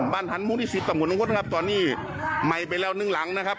บ้านหันหมู่ที่สิบตามวุฒิมังพุนนะครับตอนนี้ไหม้ไปแล้วนึงหลังนะครับ